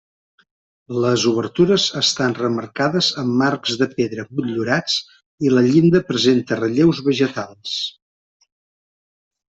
Les obertures estan remarcades amb marcs de pedra motllurats i la llinda presenta relleus vegetals.